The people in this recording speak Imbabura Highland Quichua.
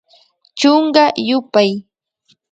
Chunka yupay